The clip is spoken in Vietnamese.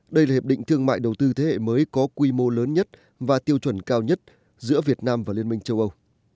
đây là hiệp định thương mại đầu tư thế hệ mới có quy mô lớn nhất và tiêu chuẩn cao nhất giữa việt nam và liên minh châu âu